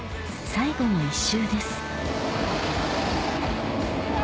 最後の１周ですいや！